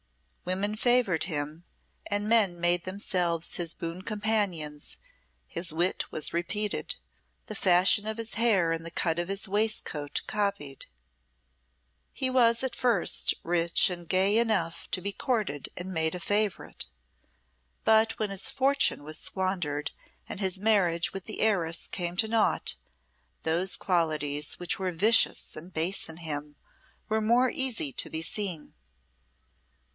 Women favoured him, and men made themselves his boon companions; his wit was repeated; the fashion of his hair and the cut of his waistcoat copied. He was at first rich and gay enough to be courted and made a favourite; but when his fortune was squandered, and his marriage with the heiress came to naught, those qualities which were vicious and base in him were more easy to be seen.